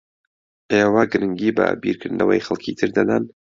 ئێوە گرنگی بە بیرکردنەوەی خەڵکی تر دەدەن؟